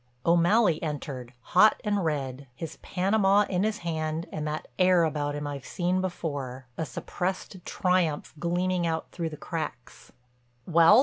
O'Malley entered, hot and red, his panama in his hand, and that air about him I've seen before—a suppressed triumph gleaming out through the cracks. "Well?"